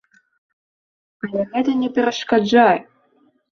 Але гэта не перашкаджае.